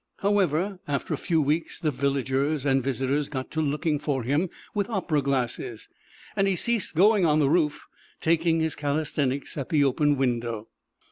However, after a few weeks the villagers and visitors got to looking for him with opera glasses; and he ceased going on the roof, taking his calisthenics at the open window.